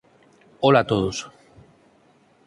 Ola a todos.